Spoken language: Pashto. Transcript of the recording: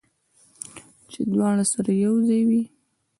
چې دواړه سره یو ځای وي